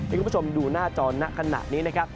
คุณผู้ชมดูหน้าจอนะขณะนี้นะครับ